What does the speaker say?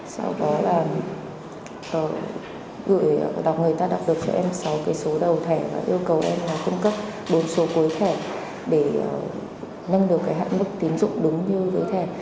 sau đó là người ta đọc được cho em sáu cái số đầu thẻ và yêu cầu em là cung cấp bốn số cuối thẻ để nâng được cái hạng mức tính dụng đúng như với thẻ